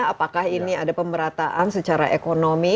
apakah ini ada pemerataan secara ekonomi